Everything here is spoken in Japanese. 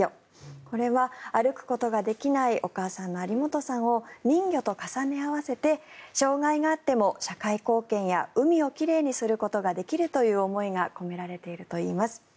これは歩くことができないお母さんの有本さんを人魚と重ね合わせて障害があっても社会貢献や海を奇麗にすることができるという思いが込められているといいます。